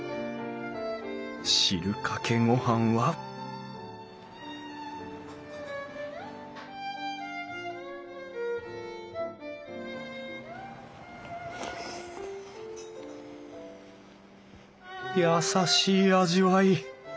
汁かけ御飯は優しい味わい。